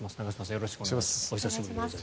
よろしくお願いします。